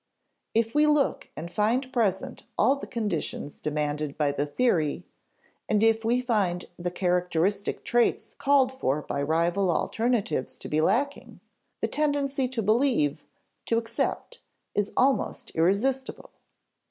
If we look and find present all the conditions demanded by the theory, and if we find the characteristic traits called for by rival alternatives to be lacking, the tendency to believe, to accept, is almost irresistible.